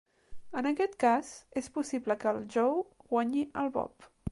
En aquest cas, és possible que el Joe guanyi al Bob.